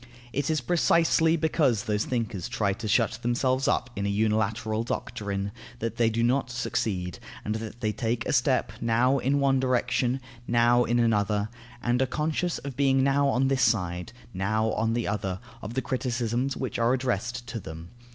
It is precisely because those thinkers try to shut themselves up in a unilateral doctrine, that they do not succeed, and that they take a step, now in one direction, now in another, and are conscious of being now on this side, now on the other, of the criticisms which are addressed to them.